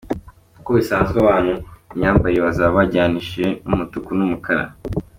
Nk’uko bisanzwe abantu mu myambarire bazaba bajyanishije mu mutuku n’umukara.